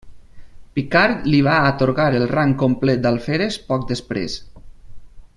Picard li va atorgar el rang complet d'alferes poc després.